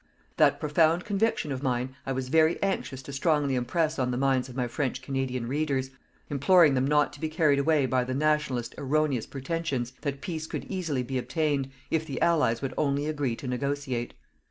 That profound conviction of mine I was very anxious to strongly impress on the minds of my French Canadian readers, imploring them not to be carried away by the "Nationalist" erroneous pretentions that peace could easily be obtained, if the Allies would only agree to negotiate.